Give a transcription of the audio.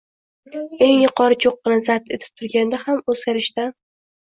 Eng yuqori cho‘qqini zabt etib turganda ham o‘zgarishdan